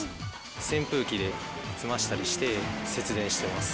扇風機で済ましたりして、節電してます。